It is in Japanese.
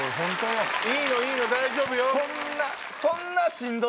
いいのいいの大丈夫よ。